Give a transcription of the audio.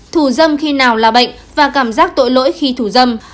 thủ dâm khi nào là bệnh và cảm giác tội lỗi khi thủ dâm